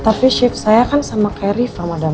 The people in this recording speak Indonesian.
tapi shift saya kan sama kayak riva madam